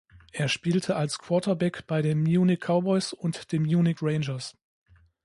Er spielte als Quarterback bei den Munich Cowboys und den Munich Rangers.